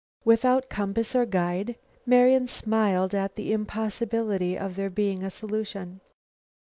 "Without compass or guide?" Marian smiled at the impossibility of there being a solution.